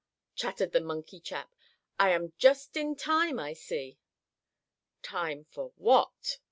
chattered the monkey chap. "I am just in time, I see." "Time for what?"